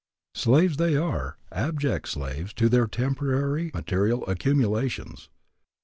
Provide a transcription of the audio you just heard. Slaves they are, abject slaves to their temporary material accumulations.